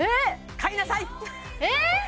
買いなさい！